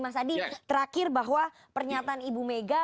mas adi terakhir bahwa pernyataan ibu mega